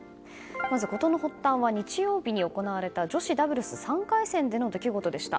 まず、事の発端は日曜日に行われた女子ダブルス３回戦での出来事でした。